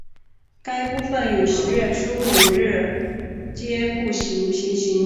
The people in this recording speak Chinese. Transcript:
该部份与十月初五日街平行。